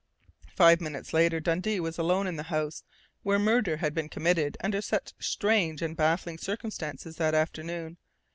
Five minutes later Dundee was alone in the house where murder had been committed under such strange and baffling circumstances that afternoon.